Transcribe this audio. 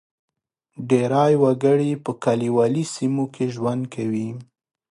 ډېری وګړي په کلیوالي سیمو کې ژوند کوي.